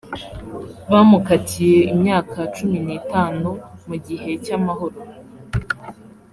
bamukatiye imyaka cumi n’itanu mu gihe cy’ amahoro .